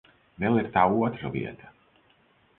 Vēl ir tā otra vieta.